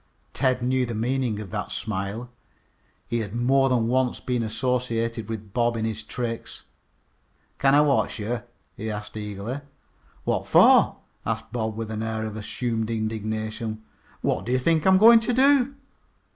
Ted knew the meaning of that smile. He had more than once been associated with Bob in his tricks. "Kin I watch ye?" he asked eagerly. "What for?" asked Bob with an air of assumed indignation. "What do you think I'm going to do?"